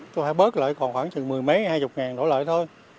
tôi phải bớt lợi còn khoảng chừng mười mấy hai chục ngàn đổ lợi thôi